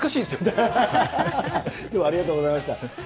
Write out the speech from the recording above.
あれ、でも、ありがとうございました。